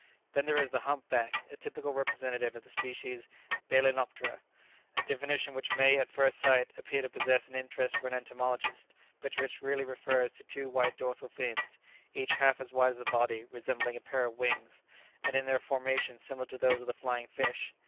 Then there is the Hump back, a typical representative of the species "balænoptera," a definition which may at first sight appear to possess an interest for an entomologist, but which really refers to two white dorsal fins, each half as wide as the body, resembling a pair of wings, and in their formation similar to those of the flying fish.